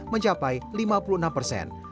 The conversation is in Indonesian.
mencapai lima puluh enam persen